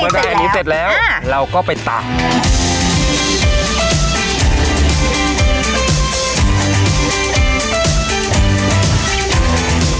ได้อันนี้เสร็จแล้วเราก็ไปตัก